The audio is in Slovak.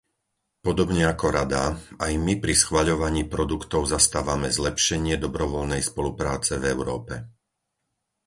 Podobne ako Rada, aj my pri schvaľovaní produktov zastávame zlepšenie dobrovoľnej spolupráce v Európe.